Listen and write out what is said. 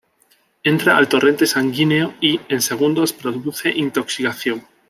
Entra al torrente sanguíneo; y, en segundos produce intoxicación.